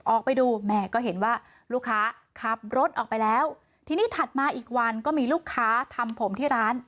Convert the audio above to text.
ออกไปดูแม่ก็เห็นว่าลูกค้าขับรถออกไปแล้วทีนี้ถัดมาอีกวันก็มีลูกค้าทำผมที่ร้าน